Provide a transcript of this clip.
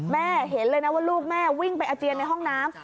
แม่เห็นเลยนะว่าลูกแม่วิ่งไปอาเจียนในห้องน้ำ